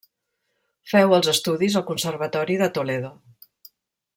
Feu els estudis al Conservatori de Toledo.